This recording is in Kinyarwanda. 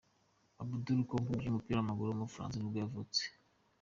Abdoulay Konko, umukinnyi w’umupira w’amaguru w’umufaransa nibwo yavutse.